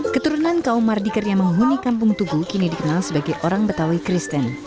keturunan kaum mardiker yang menghuni kampung tugu kini dikenal sebagai orang betawi kristen